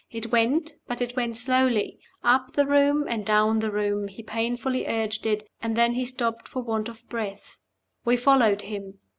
It went, but it went slowly. Up the room and down the room he painfully urged it and then he stopped for want of breath. We followed him.